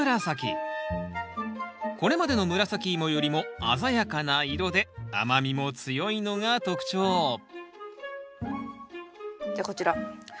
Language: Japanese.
これまでの紫芋よりも鮮やかな色で甘みも強いのが特徴じゃあこちらふくむらさき。